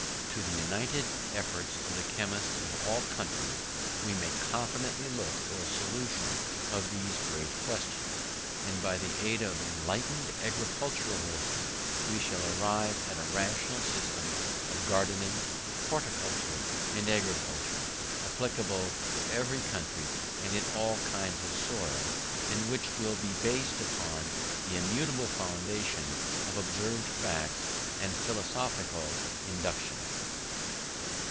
TO THE UNITED EFFORTS OF THE CHEMISTS OF ALL COUNTRIES WE MAY CONFIDENTLY LOOK FOR A SOLUTION OF THESE GREAT QUESTIONS, and by the aid of ENLIGHTENED AGRICULTURISTS we shall arrive at a RATIONAL system of GARDENING, HORTICULTURE, and AGRICULTURE, applicable to every country and all kinds of soil, and which will be based upon the immutable foundation of OBSERVED FACTS and PHILOSOPHICAL INDUCTION.